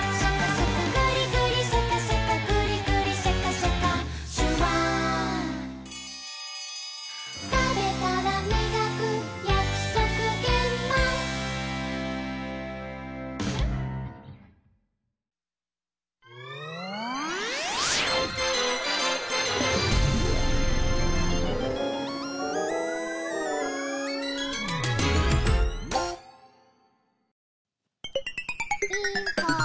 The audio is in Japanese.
「グリグリシャカシャカグリグリシャカシャカ」「シュワー」「たべたらみがくやくそくげんまん」ピンポン。